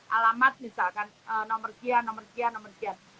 alamat misalkan nomor sekian nomor sekian nomor sekian